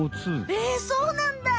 えそうなんだ！